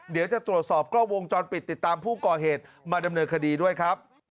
เดี๋ยวจะตรวจสอบกล้องวงจรปิดติดตามผู้ก่อเหตุมาดำเนินคดีด้วยครับ